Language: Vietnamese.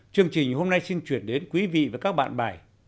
chương trình hôm nay xin chuyển đến quý vị và các bạn bài